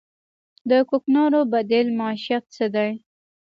د کوکنارو بدیل معیشت څه دی؟